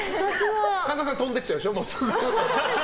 神田さん飛んで行っちゃうでしょ。